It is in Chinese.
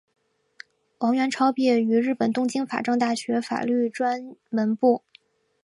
王元超毕业于日本东京法政大学法律专门部。